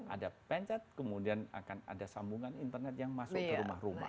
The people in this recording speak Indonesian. ada pencet kemudian akan ada sambungan internet yang masuk ke rumah rumah